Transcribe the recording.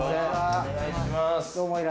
お願いします。